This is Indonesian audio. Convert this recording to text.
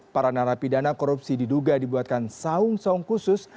para narapidana korupsi diduga dibuatkan saung saung khusus